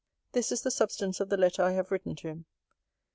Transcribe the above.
This is the substance of the letter I have written to him.